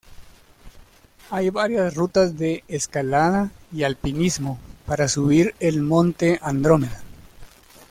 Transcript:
Hay varias rutas de escalada y alpinismo para subir el monte Andrómeda.